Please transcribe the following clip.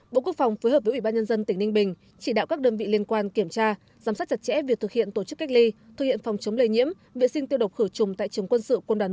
bộ quốc phòng phối hợp với ủy ban nhân dân tỉnh ninh bình chỉ đạo các đơn vị liên quan kiểm tra giám sát chặt chẽ việc thực hiện tổ chức cách ly thực hiện phòng chống lây nhiễm vệ sinh tiêu độc khử trùng tại trường quân sự quân đoàn một